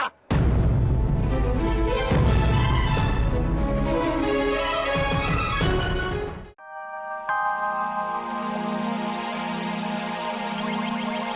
sampai jumpa lagi